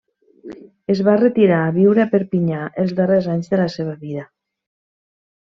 Es va retirar a viure a Perpinyà els darrers anys de la seva vida.